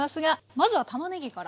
まずはたまねぎから。